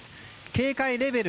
警戒レベル